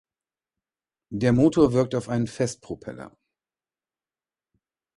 Der Motor wirkt auf einen Festpropeller.